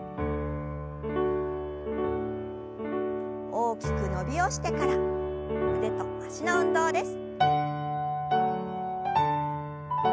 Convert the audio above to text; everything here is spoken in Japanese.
大きく伸びをしてから腕と脚の運動です。